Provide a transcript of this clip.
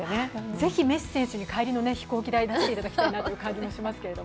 ぜひメッシ選手に帰りの飛行機代出していただきたいなと思いますけど。